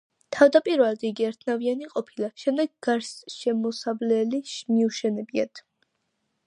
თავდაპირველად იგი ერთნავიანი ყოფილა, შემდეგ გარსშემოსავლელი მიუშენებიათ.